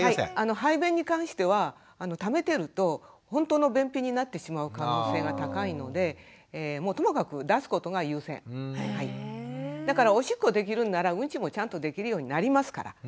排便に関してはためてるとほんとの便秘になってしまう可能性が高いのでだからおしっこできるんならうんちもちゃんとできるようになりますから。